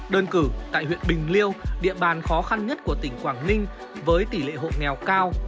đơn cử tại huyện bình liêu địa bàn khó khăn nhất của tỉnh quảng ninh với tỷ lệ hộ nghèo cao